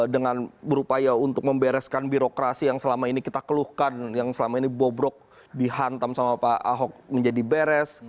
dengan berupaya untuk membereskan birokrasi yang selama ini kita keluhkan yang selama ini bobrok dihantam sama pak ahok menjadi beres